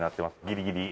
ギリギリ。